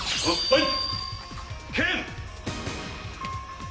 はい！